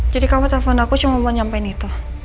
jadi kamu telpon aku cuma mau nyampein itu